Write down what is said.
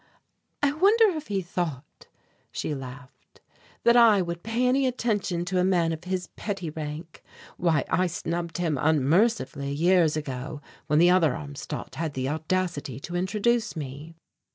"I wonder if he thought," she laughed, "that I would pay any attention to a man of his petty rank. Why, I snubbed him unmercifully years ago when the other Armstadt had the audacity to introduce me."